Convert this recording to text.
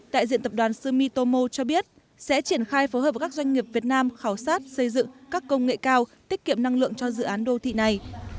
đại diện tập đoàn sumitomo cho biết sẽ triển khai phối hợp với các doanh nghiệp việt nam khảo sát xây dựng các công nghệ cao tiết kiệm năng lượng cho dự án đô thị này